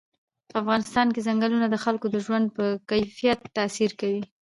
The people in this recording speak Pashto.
په افغانستان کې ځنګلونه د خلکو د ژوند په کیفیت تاثیر کوي.